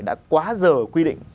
đã quá giờ quy định